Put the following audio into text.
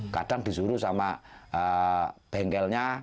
kadang disuruh sama bengkel